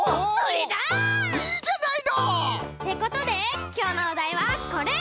いいじゃないの！ってことできょうのおだいはこれ！